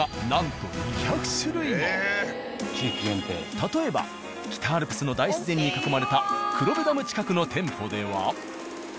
例えば北アルプスの大自然に囲まれた黒部ダム近くの店舗では。